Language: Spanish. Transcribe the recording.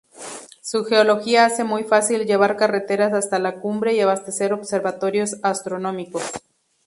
Su geología hace muy fácil llevar carreteras hasta la cumbre y abastecer observatorios astronómicos.